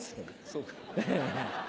そうか。